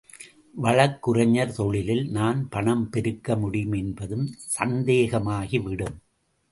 வழக்குரைஞர் தொழிலில் நான் பணம் பெருக்க முடியும் என்பதும் சந்தேகமாகி விடும்.